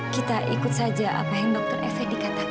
kita ikut saja apa yang dokter efe dikatakan